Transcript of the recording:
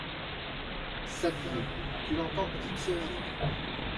S'habiller, tu l'entends, petite soeur !